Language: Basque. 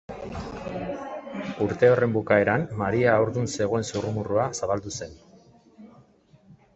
Urte horren bukaeran, Maria haurdun zegoen zurrumurrua zabaldu zen.